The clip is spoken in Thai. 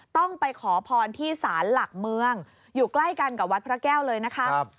ต้องไปขอพรที่ศาลหลักเมืองอยู่ใกล้กันกับวัดพระแก้วเลยนะคะ